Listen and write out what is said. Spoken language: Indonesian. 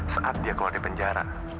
saat dia keluar di penjara